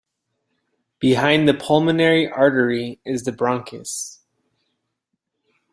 Behind the pulmonary artery is the bronchus.